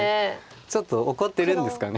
ちょっと怒ってるんですかね。